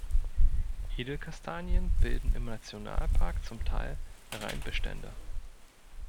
Edelkastanien bilden im Nationalpark zum Teil Reinbestände.